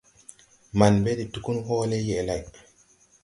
Man ɓɛ de tugun hɔɔlɛ yɛʼ lay.